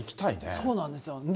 そうなんですよ。